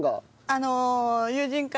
あの。